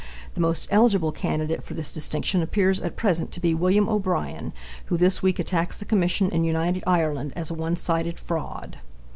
The most eligible candidate for this distinction appears at present to be William O'Brien, who this week attacks the commission in United Ireland as a one sided fraud.